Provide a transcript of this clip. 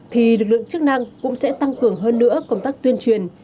thì lực lượng chức năng cũng sẽ tăng cường hơn nữa công tác tuyên truyền